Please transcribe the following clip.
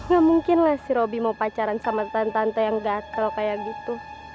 gak mungkin lah si roby mau pacaran sama tante tante yang gatel kayak gitu